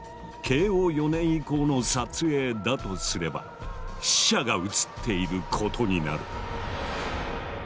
慶応４年以降の撮影だとすれば死者が写っていることになる。